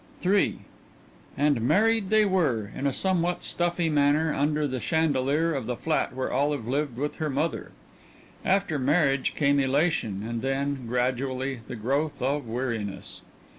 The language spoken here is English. III And married they were, in a somewhat stuffy manner, under the chandelier of the flat where Olive lived with her mother. After marriage came elation, and then, gradually, the growth of weariness.